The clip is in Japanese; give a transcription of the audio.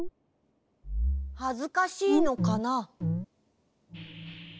はずかしいのかな？